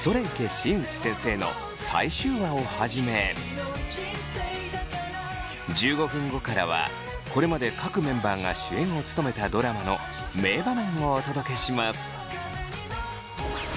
新内先生」の最終話をはじめ１５分後からはこれまで各メンバーが主演を務めたドラマの名場面をお届けします。